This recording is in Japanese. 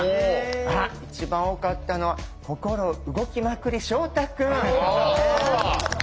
あっ一番多かったのは心動きまくり照太くん。